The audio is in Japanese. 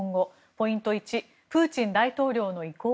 ポイント１プーチン大統領の意向？